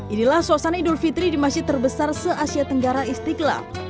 inilah suasana idul fitri di masjid terbesar se asia tenggara istiqlal